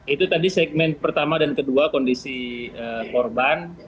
itu tadi segmen pertama dan kedua kondisi korban